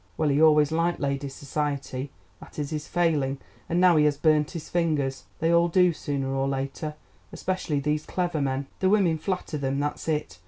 Well, he always liked ladies' society; that is his failing, and now he has burnt his fingers. They all do sooner or later, especially these clever men. The women flatter them, that's it.